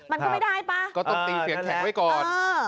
มันก็ไม่ได้ป่ะ